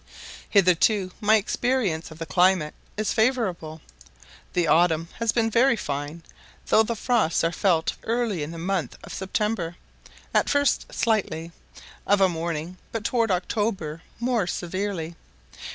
Hitherto my experience of the climate is favourable. The autumn has been very fine, though the frosts are felt early in the month of September; at first slightly, of a morning, but towards October more severely.